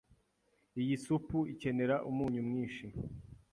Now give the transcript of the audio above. Iyi supu ikenera umunyu mwinshi.